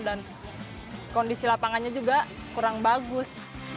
dan kondisi lapangannya juga kurang bagus